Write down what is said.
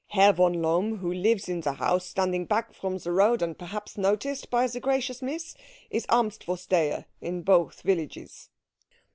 Herr von Lohm, who lives in the house standing back from the road, and perhaps noticed by the gracious Miss, is Amtsvorsteher in both villages."